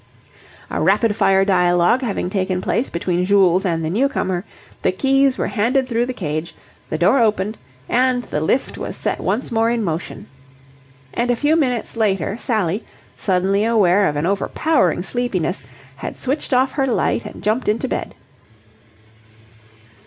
A rapid fire dialogue having taken place between Jules and the newcomer, the keys were handed through the cage, the door opened and the lift was set once more in motion. And a few minutes later, Sally, suddenly aware of an overpowering sleepiness, had switched off her light and jumped into bed.